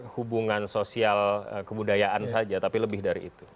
hubungan sosial kebudayaan saja tapi lebih dari itu